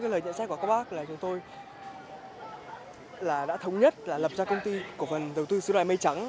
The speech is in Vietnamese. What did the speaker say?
cái lời nhận xét của các bác là chúng tôi là đã thống nhất là lập ra công ty của phần đầu tư sư đoại mây trắng